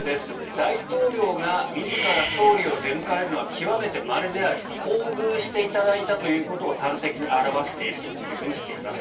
大統領が自ら総理を出迎えるのは極めてまれであり厚遇していただいたということを端的に表しているというふうにしています。